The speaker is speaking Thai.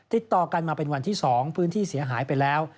ติดต่อกันมาเป็นวันที่๒พื้นที่เสียหายไปแล้ว